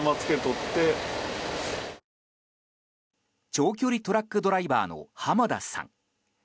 長距離トラックドライバーの浜田さん。